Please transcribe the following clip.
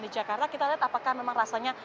di jakarta kita lihat apakah memang rasanya